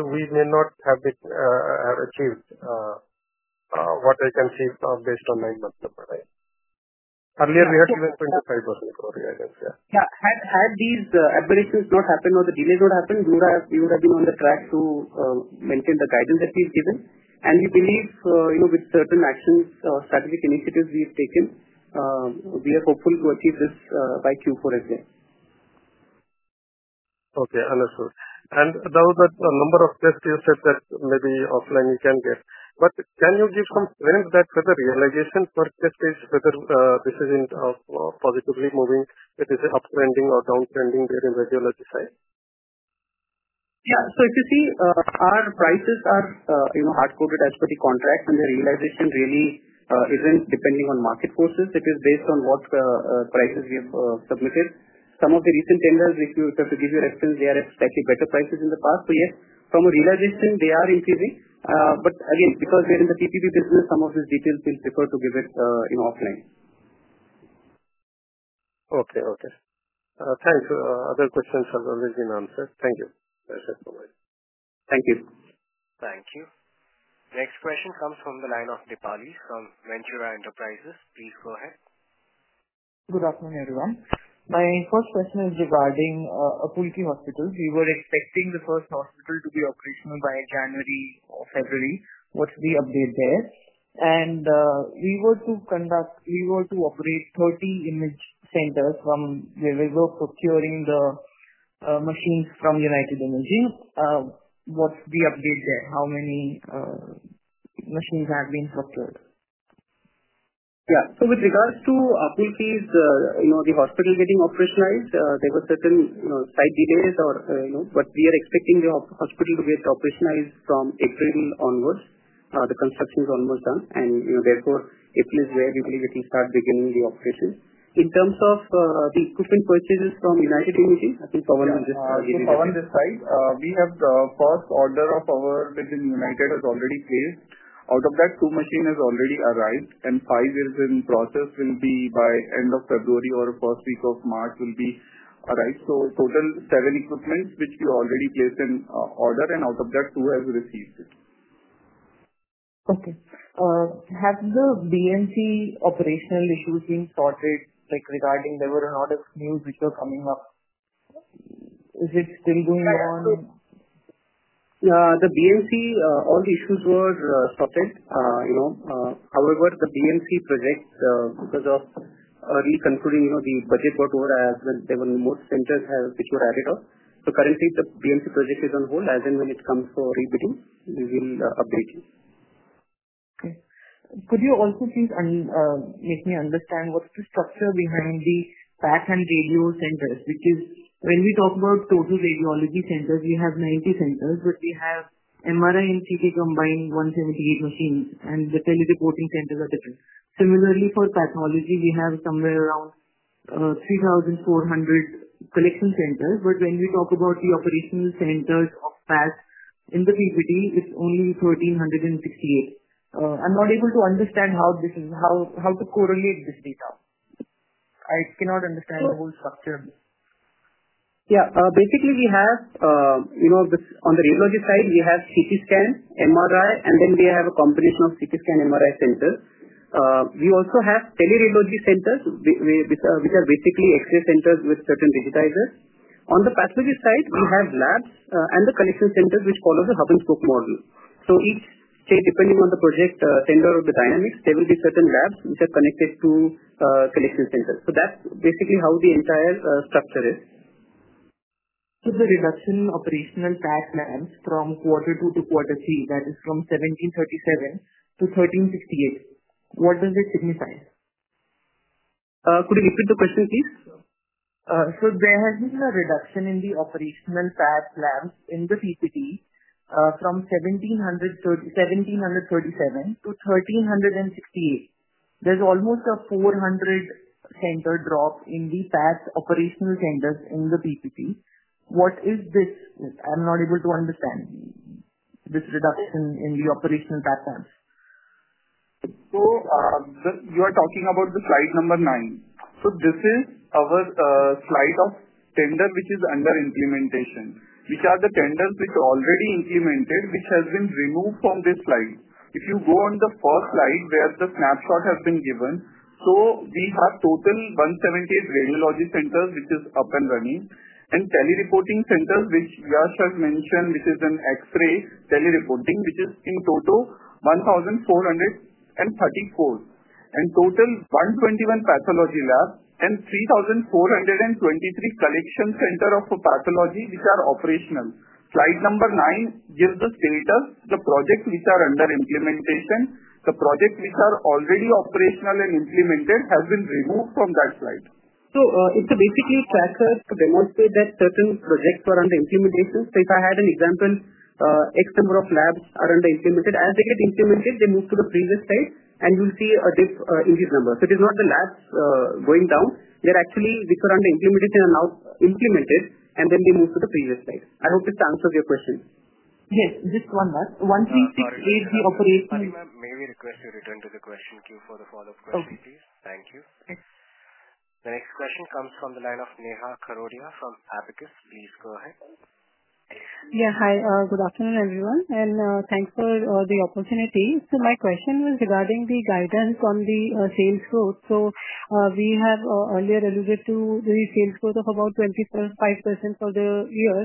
25%, we may not have achieved what I can see based on nine months of time. Earlier, we had given 25% growth guidance, yeah. Yeah. Had these aberrations not happened or the delays not happened, we would have been on the track to maintain the guidance that we've given. We believe with certain actions or strategic initiatives we've taken, we are hopeful to achieve this by Q4 as well. Okay. Understood. Now that a number of tests you said that maybe offline you can get. Can you give some trend that further realization for test is, whether this isn't positively moving, that is, uptrending or downtrending there in radiology side? Yeah. If you see, our prices are hard-coded as per the contract. The realization really is not depending on market forces. It is based on what prices we have submitted. Some of the recent tenders, if I have to give you reference, they are at slightly better prices than in the past. Yes, from a realization, they are increasing. Again, because we are in the PPP business, some of these details we will prefer to give offline. Okay. Okay. Thanks. Other questions have already been answered. Thank you. That's it. Bye-bye. Thank you. Thank you. Next question comes from the line of Deepali from Ventura Enterprises. Please go ahead. Good afternoon, everyone. My first question is regarding Apulki Hospital. We were expecting the first hospital to be operational by January or February. What is the update there? We were to operate 30 image centers from where we were procuring the machines from United Imaging. What is the update there? How many machines have been procured? Yeah. With regards to Apulki, the hospital getting operationalized, there were certain site delays. We are expecting the hospital to get operationalized from April onwards. The construction is almost done. Therefore, April is where we believe it will start beginning the operations. In terms of the equipment purchases from United Imaging, I think Pawan will just give you the update. Yeah. Pawan this side, we have the first order of ours within United has already placed. Out of that, two machines have already arrived. Five is in process, will be by end of February or first week of March will be arrived. Total seven equipments which we already placed in order. Out of that, two have received it. Okay. Have the BMC operational issues been sorted regarding there were a lot of news which were coming up? Is it still going on? Yeah. The BMC, all the issues were sorted. However, the BMC project, because of early concluding, the budget got over as well. There were more centers which were added up. Currently, the BMC project is on hold. As and when it comes for rebidding, we will update you. Okay. Could you also please make me understand what's the structure behind the path and radio centers? Because when we talk about total radiology centers, we have 90 centers. We have MRI and CT combined 178 machines. The telereporting centers are different. Similarly, for pathology, we have somewhere around 3,400 collection centers. When we talk about the operational centers of path, in the PPP, it's only 1,368. I'm not able to understand how to correlate this data. I cannot understand the whole structure. Yeah. Basically, we have on the radiology side, we have CT scan, MRI, and then we have a combination of CT scan, MRI centers. We also have teleradiology centers, which are basically X-ray centers with certain digitizers. On the pathology side, we have labs and the collection centers which follow the hub-and-spoke model. Each, depending on the project tender or the dynamics, there will be certain labs which are connected to collection centers. That's basically how the entire structure is. The reduction in operational path labs from quarter two to quarter three, that is, from 1,737 to 1,368, what does it signify? Could you repeat the question, please? There has been a reduction in the operational path labs in the PPP from 1,737 to 1,368. There's almost a 400 center drop in the path operational centers in the PPP. What is this? I'm not able to understand this reduction in the operational path labs. You are talking about slide number nine. This is our slide of tender which is under implementation, which are the tenders which are already implemented, which have been removed from this slide. If you go on the first slide where the snapshot has been given, we have total 178 radiology centers which is up and running and telereporting centers which Yash has mentioned, which is an X-ray telereporting, which is in total 1,434. Total 121 pathology labs and 3,423 collection centers of pathology which are operational. Slide number nine gives the status of the projects which are under implementation. The projects which are already operational and implemented have been removed from that slide. It is basically a tracker to demonstrate that certain projects are under implementation. If I had an example, X number of labs are under implemented. As they get implemented, they move to the previous site. You will see a dip in these numbers. It is not the labs going down. They are actually which are under implementation are now implemented, and then they move to the previous site. I hope this answers your question. Yes. Just one last. 1368B operation. Sorry. May we request you return to the question queue for the follow-up question, please? Okay. Thank you. The next question comes from the line of Neha Kharodia from Abakkus. Please go ahead. Yeah. Hi. Good afternoon, everyone. Thanks for the opportunity. My question was regarding the guidance on the sales growth. We have earlier alluded to the sales growth of about 25% for the year.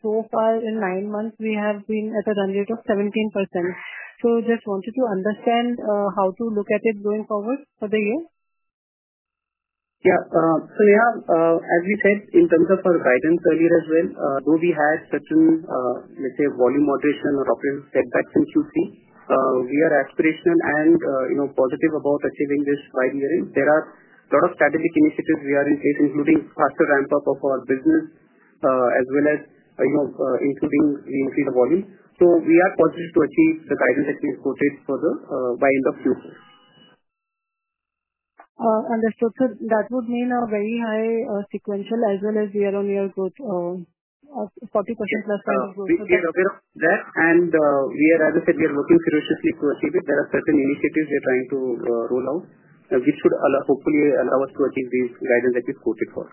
So far, in nine months, we have been at a run rate of 17%. I just wanted to understand how to look at it going forward for the year. Yeah. So yeah, as we said, in terms of our guidance earlier as well. Though we had certain, let's say, volume moderation or operational setbacks in Q3, we are aspirational and positive about achieving this by the year. There are a lot of strategic initiatives we have in place, including faster ramp-up of our business as well as including the increased volume. So we are positive to achieve the guidance that we've quoted for by end of Q4.. Understood. That would mean a very high sequential as well as year-on-year growth, 40%+ growth. We are aware of that. As I said, we are working ferociously to achieve it. There are certain initiatives we are trying to roll out which should hopefully allow us to achieve the guidance that we've quoted for.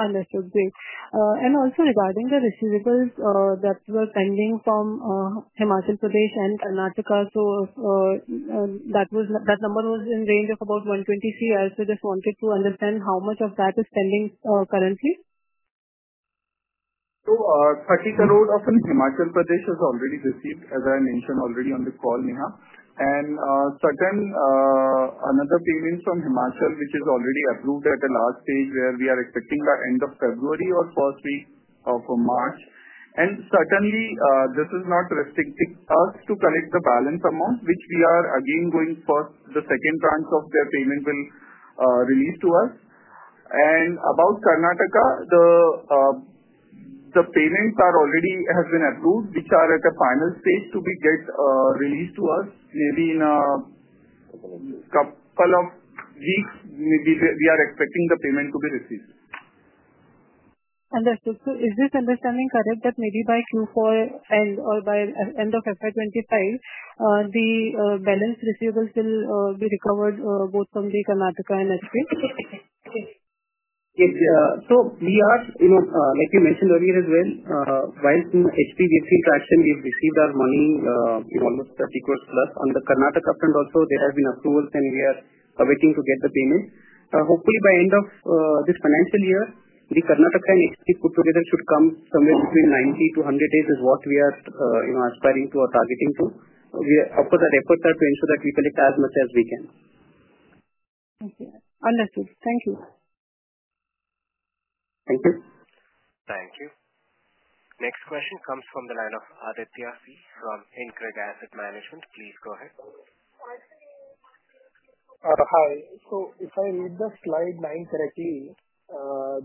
Understood. Great. Also regarding the receivables that were pending from Himachal Pradesh and Karnataka, that number was in the range of about 123. I also just wanted to understand how much of that is pending currently? INR 30 crores of Himachal Pradesh has already received, as I mentioned already on the call, Neha. Certain another payment from Himachal, which is already approved at the last stage, we are expecting by end of February or first week of March. Certainly, this is not restricting us to collect the balance amount, which we are again going first. The second tranche of their payment will release to us. About Karnataka, the payments have already been approved, which are at the final stage to be released to us. Maybe in a couple of weeks, we are expecting the payment to be received. Understood. Is this understanding correct that maybe by Q4 end or by end of FY 2025, the balance receivables will be recovered both from the Karnataka and HP? Yes. Like you mentioned earlier as well, while from HP, we have seen traction. We have received our money, almost 30 crores plus. On the Karnataka front also, there have been approvals. We are awaiting to get the payment. Hopefully, by end of this financial year, Karnataka and Himachal Pradesh put together should come somewhere between 90-100 days is what we are aspiring to or targeting to. Of course, our efforts are to ensure that we collect as much as we can. Thank you. Understood. Thank you. Thank you. Thank you. Next question comes from the line of [Aditya C] from InCred Asset Management. Please go ahead. Hi. If I read slide nine correctly,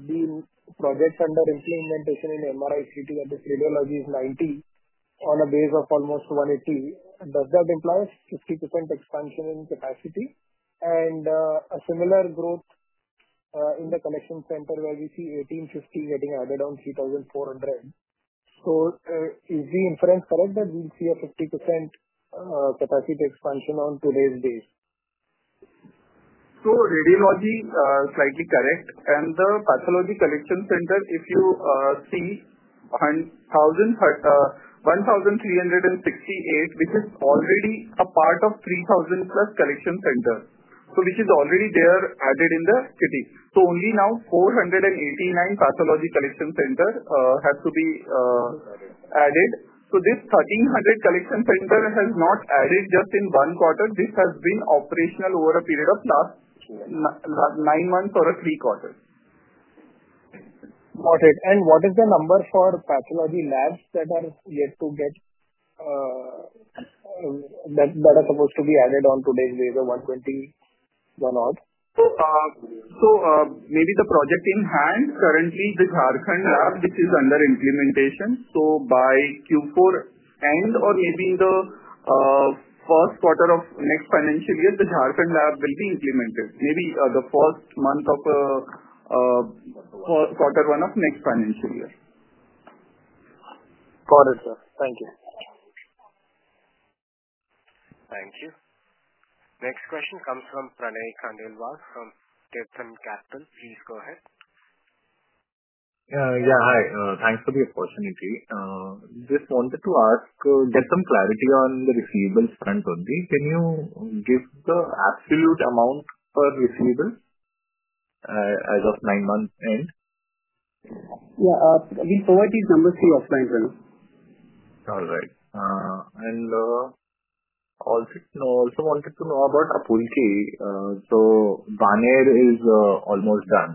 the project under implementation in MRI CT, that is, radiology, is 90 on a base of almost 180. Does that imply a 50% expansion in capacity? A similar growth in the collection center where we see 1,850 getting added on 3,400. Is the inference correct that we will see a 50% capacity expansion on today's date? Radiology is slightly correct. The pathology collection center, if you see 1,368, which is already a part of 3,000-plus collection centers, is already there added in the city. Only now 489 pathology collection centers have to be added. This 1,300 collection centers has not added just in one quarter. This has been operational over a period of the last nine months or a three-quarter. Got it. What is the number for pathology labs that are yet to get that are supposed to be added on today's date of 120 or not? Maybe the project in hand, currently, the Jharkhand lab, which is under implementation. By Q4 end or maybe the first quarter of next financial year, the Jharkhand lab will be implemented. Maybe the first month of quarter one of next financial year. Got it, sir. Thank you. Thank you. Next question comes from Pranay Khandelwal from Tirthan Capital. Please go ahead. Yeah. Hi. Thanks for the opportunity. Just wanted to ask, get some clarity on the receivables front only. Can you give the absolute amount per receivable as of nine months end? Yeah. We'll provide these numbers to you offline as well. All right. I also wanted to know about Apulki. Baner is almost done.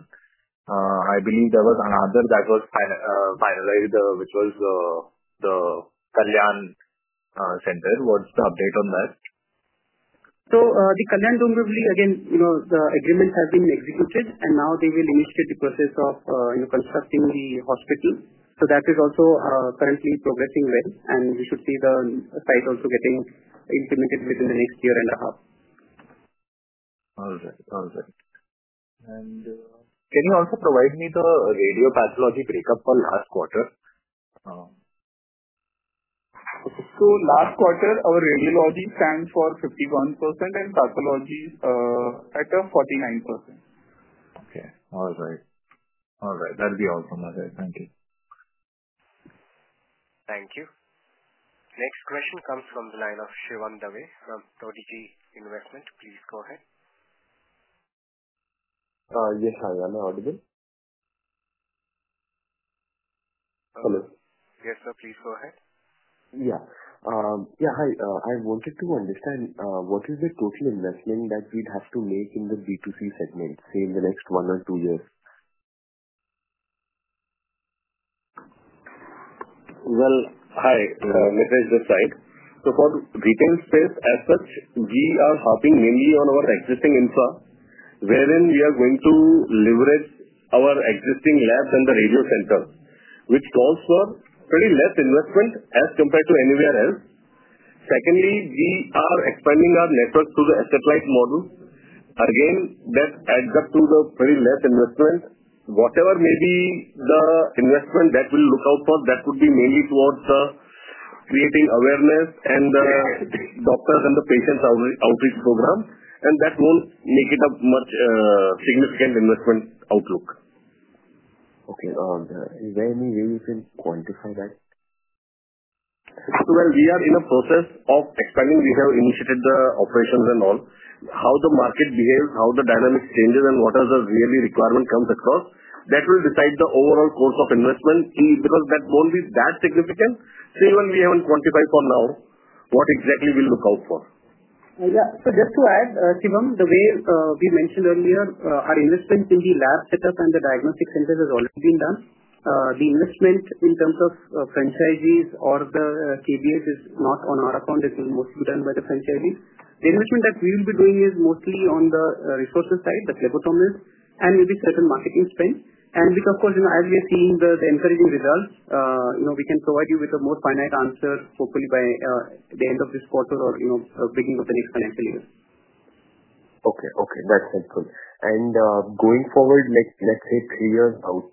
I believe there was another that was finalized, which was the Kalyan center. What is the update on that? The Kalyan Dombivli, again, the agreements have been executed. They will initiate the process of constructing the hospital. That is also currently progressing well. We should see the site also getting implemented within the next year and a half. All right. All right. Can you also provide me the radiopathology breakup for last quarter? Last quarter, our radiology stands for 51% and pathology at 49%. Okay. All right. All right. That'll be all from my side. Thank you. Thank you. Next question comes from the line of Shivan Dave from Prodigy Investment. Please go ahead. Yes. Hi. Am I audible? Hello. Yes, sir. Please go ahead. Yeah. Yeah. Hi. I wanted to understand what is the total investment that we'd have to make in the B2C segment, say, in the next one or two years? Hi. Mitesh this side. For retail space as such, we are hopping mainly on our existing infra, wherein we are going to leverage our existing labs and the radio centers, which calls for pretty less investment as compared to anywhere else. Secondly, we are expanding our network through the asset-like model. Again, that adds up to the pretty less investment. Whatever may be the investment that we'll look out for, that would be mainly towards creating awareness and the doctors and the patients outreach program. That won't make it a much significant investment outlook. Okay. Is there any way you can quantify that? We are in a process of expanding. We have initiated the operations and all. How the market behaves, how the dynamics changes, and what are the really requirements comes across, that will decide the overall course of investment because that won't be that significant. Even we haven't quantified for now what exactly we'll look out for. Yeah. Just to add, Shivam, the way we mentioned earlier, our investment in the lab setup and the diagnostic centers has already been done. The investment in terms of franchisees or the KBA's not on our account. It will mostly be done by the franchisees. The investment that we will be doing is mostly on the resources side, phlebotomist, and maybe certain marketing spend. As we are seeing the encouraging results, we can provide you with a more finite answer, hopefully, by the end of this quarter or beginning of the next financial year. Okay. Okay. That's helpful. Going forward, let's say three years out,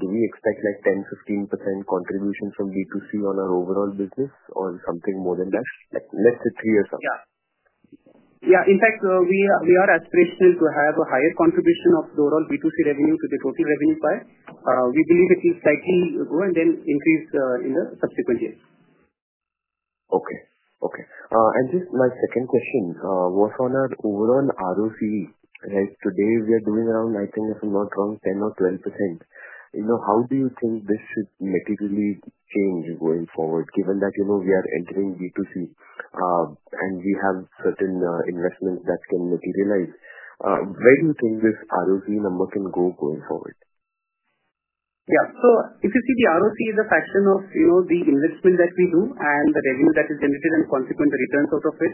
do we expect like 10%-15% contribution from B2C on our overall business or something more than that? Let's say three years out. Yeah. Yeah. In fact, we are aspirational to have a higher contribution of the overall B2C revenue to the total revenue pie. We believe it will slightly grow and then increase in the subsequent years. Okay. Okay. Just my second question was on our overall ROCE. Today, we are doing around, I think, if I'm not wrong, 10% or 12%. How do you think this should materially change going forward, given that we are entering B2C and we have certain investments that can materialize? Where do you think this ROCE number can go going forward? Yeah. If you see, the ROCE is a fraction of the investment that we do and the revenue that is generated and consequent returns out of it.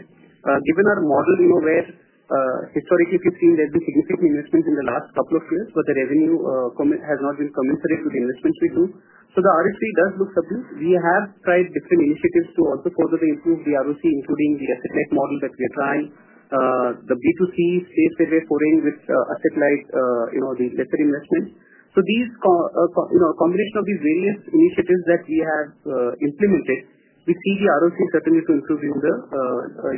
Given our model where historically, we've seen there's been significant investments in the last couple of years, but the revenue has not been commensurate to the investments we do. The ROCE does look subdued. We have tried different initiatives to also further improve the ROCE, including the asset-light model that we are trying, the B2C, SafeWay foreign with asset-light, the lesser investments. A combination of these various initiatives that we have implemented, we see the ROCE certainly to improve in the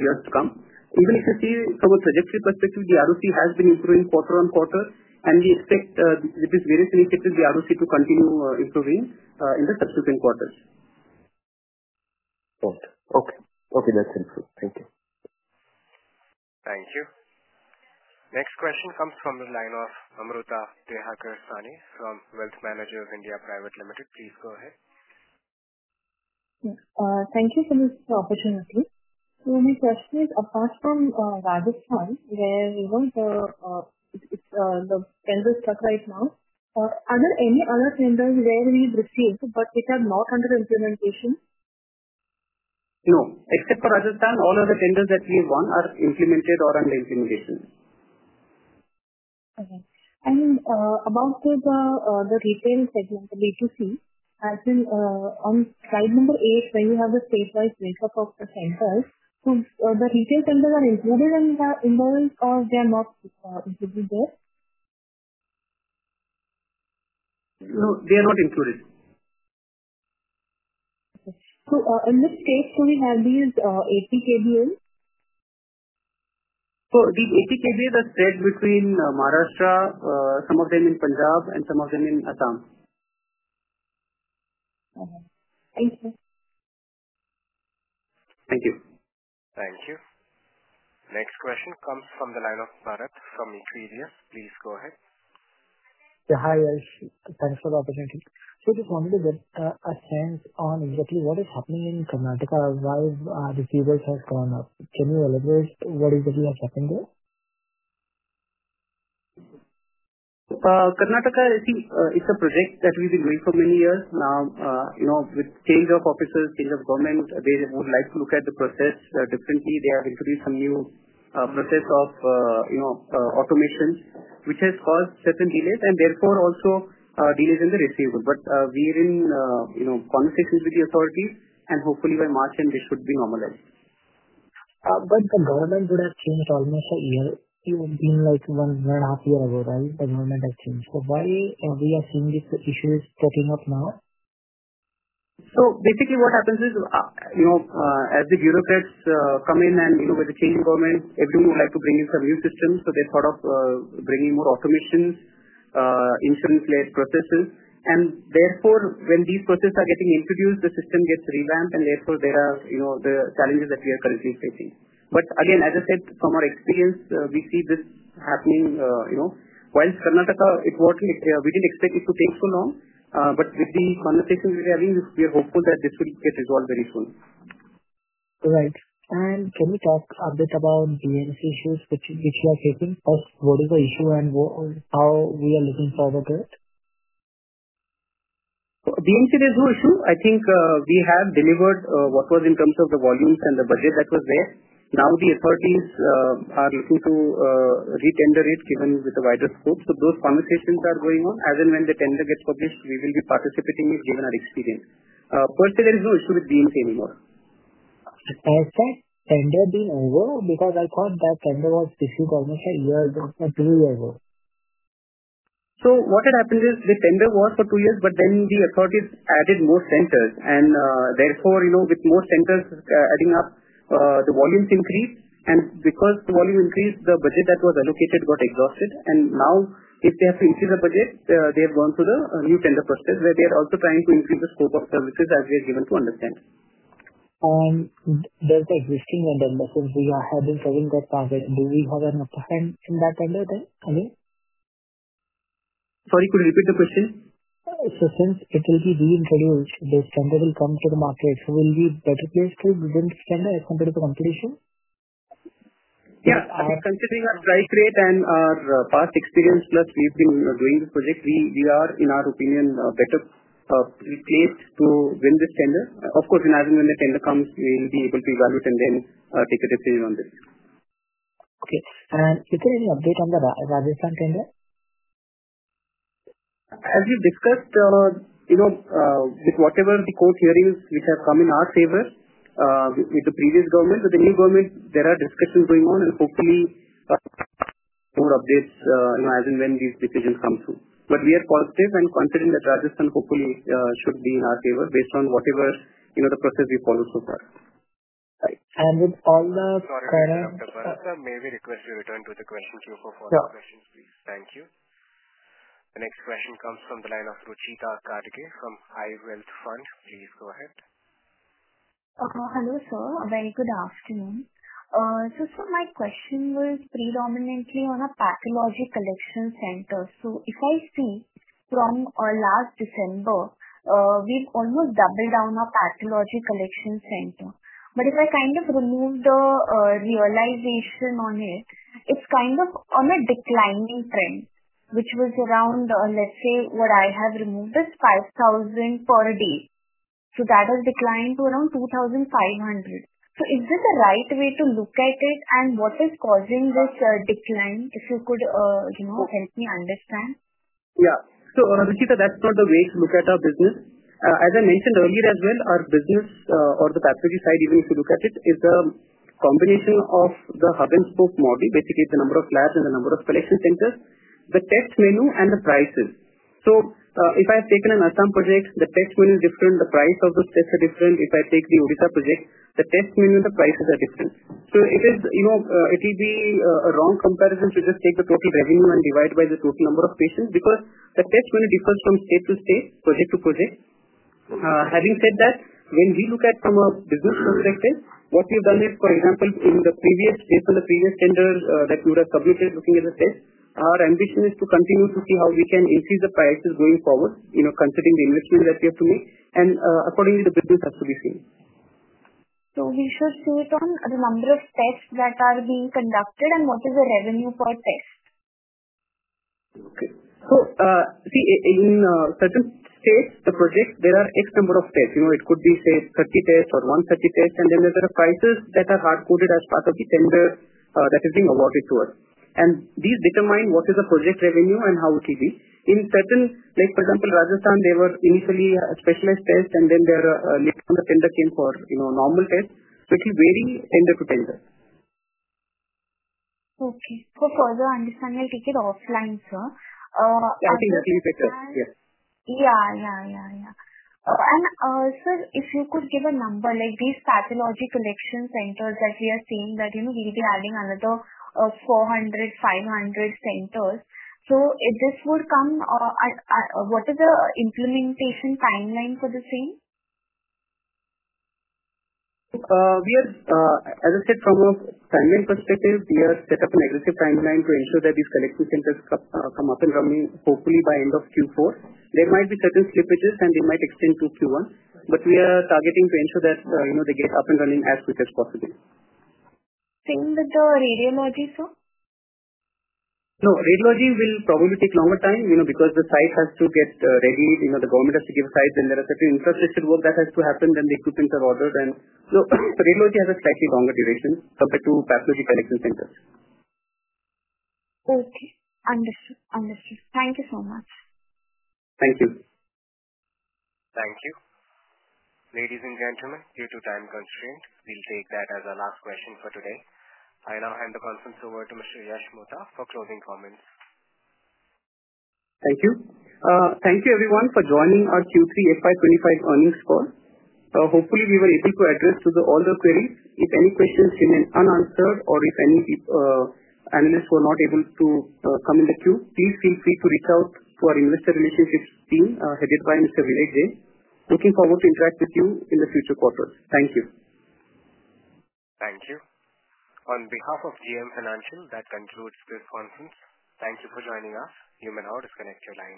years to come. Even if you see from a trajectory perspective, the ROCE has been improving quarter-on-quarter. We expect with these various initiatives, the ROCE to continue improving in the subsequent quarters. Got it. Okay. Okay. That's helpful. Thank you. Thank you. Next question comes from the line of Amruta Deherkar Sane from Wealth Manager of India Private Limited. Please go ahead. Thank you for this opportunity. My question is, apart from Rajasthan, where the tender is stuck right now, are there any other tenders where we've received, but which are not under implementation? No. Except for Rajasthan, all of the tenders that we've won are implemented or under implementation. Okay. About the retail segment, the B2C, as in on slide number eight, where you have the statewide breakup of the centers, so the retail centers are included in the involved or they are not included there? No. They are not included. Okay. In this case, do we have these 80 KBAs? These 80 KBAs are spread between Maharashtra, some of them in Punjab, and some of them in Assam. Okay. Thank you. Thank you. Thank you. Next question comes from the line of Bharat from Equirus. Please go ahead. Yeah. Hi, Yash. Thanks for the opportunity. I just wanted to get a sense on exactly what is happening in Karnataka, why receivables have gone up. Can you elaborate what exactly is happening there? Karnataka, you see, it's a project that we've been doing for many years now with change of officers, change of government. They would like to look at the process differently. They have introduced some new process of automation, which has caused certain delays and therefore also delays in the receivables. We are in conversations with the authorities. Hopefully, by March end, this should be normalized. The government would have changed almost a year. It would have been like one and a half years ago, right? The government has changed. Why are we seeing these issues taking up now? Basically, what happens is, as the bureaucrats come in and with the changing government, everyone would like to bring in some new systems. They thought of bringing more automations, insurance-led processes. Therefore, when these processes are getting introduced, the system gets revamped. Therefore, there are the challenges that we are currently facing. Again, as I said, from our experience, we see this happening. Whilst Karnataka, we did not expect it to take so long. With the conversations we are having, we are hopeful that this will get resolved very soon. Right. Can you talk a bit about BMC issues, which you are facing? What is the issue and how we are looking forward to it? BMC, there's no issue. I think we have delivered what was in terms of the volumes and the budget that was there. Now, the authorities are looking to retender it, given with the wider scope. Those conversations are going on. As and when the tender gets published, we will be participating in it, given our experience. Per se, there is no issue with BMC anymore. Has that tender been over? Because I thought that tender was issued almost a year ago, two years ago. What had happened is the tender was for two years, but then the authorities added more centers. Therefore, with more centers adding up, the volumes increased. Because the volume increased, the budget that was allocated got exhausted. Now, if they have to increase the budget, they have gone to the new tender process, where they are also trying to increase the scope of services, as we are given to understand. Does the existing vendor, since we are having to having that target, do we have an upper hand in that tender then, again? Sorry, could you repeat the question? Since it will be reintroduced, this tender will come to the market. Will we be better placed to win this tender as compared to the competition? Yeah. Considering our strike rate and our past experience, plus we've been doing this project, we are, in our opinion, better placed to win this tender. Of course, as and when the tender comes, we'll be able to evaluate and then take a decision on this. Okay. Is there any update on the Rajasthan tender? As we've discussed, with whatever the court hearings which have come in our favor with the previous government, with the new government, there are discussions going on. Hopefully, more updates as and when these decisions come through. We are positive and confident that Rajasthan, hopefully, should be in our favor based on whatever the process we followed so far. Right. With all the. Sorry. Bharat, may we request you return to the question queue for further questions, please? Yeah. Thank you. The next question comes from the line of Rucheeta Kadge from I-Wealth Fund. Please go ahead. Hello, sir. Very good afternoon. My question was predominantly on a pathology collection center. If I see from last December, we've almost doubled down our pathology collection center. If I kind of remove the realization on it, it's kind of on a declining trend, which was around, let's say, what I have removed is 5,000 per day. That has declined to around 2,500. Is this the right way to look at it? What is causing this decline? If you could help me understand. Yeah. Ruchita, that's not the way to look at our business. As I mentioned earlier as well, our business, or the pathology side, even if you look at it, is a combination of the hub and spoke model, basically the number of labs and the number of collection centers, the test menu, and the prices. If I have taken an Assam project, the test menu is different. The price of those tests are different. If I take the Odisha project, the test menu and the prices are different. It will be a wrong comparison to just take the total revenue and divide by the total number of patients because the test menu differs from state to state, project to project. Having said that, when we look at from a business perspective, what we've done is, for example, based on the previous tender that we would have submitted, looking at the test, our ambition is to continue to see how we can increase the prices going forward, considering the investment that we have to make. Accordingly, the business has to be seen. We should see it on the number of tests that are being conducted and what is the revenue per test? See, in certain states, the project, there are X number of tests. It could be, say, 30 tests or 130 tests. There are prices that are hardcoded as part of the tender that is being awarded to us. These determine what is the project revenue and how it will be. In certain, for example, Rajasthan, they were initially specialized tests. Later on, the tender came for normal tests, which will vary tender to tender. Okay. For the understanding, I'll take it offline, sir. Yeah. I think that will be better. Yes. Yeah. Yeah. Yeah. If you could give a number, like these pathology collection centers that we are seeing that we'll be adding another 400-500 centers. This would come, what is the implementation timeline for the same? As I said, from a timeline perspective, we are set up an aggressive timeline to ensure that these collection centers come up and running, hopefully, by end of Q4. There might be certain slippages, and they might extend to Q1. We are targeting to ensure that they get up and running as quick as possible. Same with the radiology, sir? No. Radiology will probably take longer time because the site has to get ready. The government has to give a site. Then there are certain infrastructure work that has to happen. The equipment is ordered. Radiology has a slightly longer duration compared to pathology collection centers. Okay. Understood. Understood. Thank you so much. Thank you. Thank you. Ladies and gentlemen, due to time constraint, we'll take that as our last question for today. I now hand the conference over to Mr. Yash Mutha for closing comments. Thank you. Thank you, everyone, for joining our Q3 FY 2025 earnings call. Hopefully, we were able to address all the queries. If any questions remain unanswered or if any analysts were not able to come in the queue, please feel free to reach out to our investor relationships team headed by Mr. Vivek Jain. Looking forward to interact with you in the future quarters. Thank you. Thank you. On behalf of JM Financial, that concludes this conference. Thank you for joining us. You may now disconnect your line.